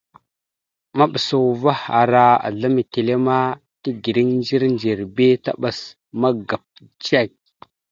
Maɓəsa uvah ara azlam etelle ma tegreŋ ndzir ndzir bi taɓas magap cek.